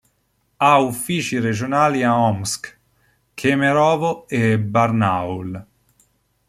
Ha uffici regionali a Omsk, Kemerovo e Barnaul.